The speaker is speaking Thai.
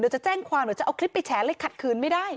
เดี๋ยวจะแจ้งความเดี๋ยวจะเอาคลิปไปแฉะเลยขัดคืนไม่ได้